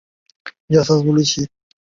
九龙及新界地区电力供应中断数天。